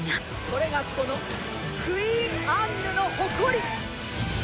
それがこのクイーン・アンヌの誇り！